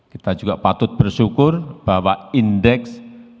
kita juga patut bersyukur bahwa indeks